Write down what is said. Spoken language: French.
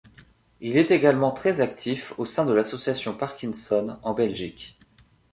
Il est également très actif au sein de l'Association Parkinson, en Belgique.